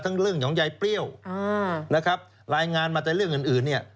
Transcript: เรื่องของยายเปรี้ยวนะครับรายงานมาแต่เรื่องอื่นเนี่ย